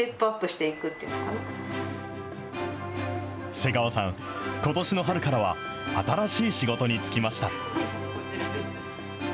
瀬川さん、ことしの春からは、新しい仕事に就きました。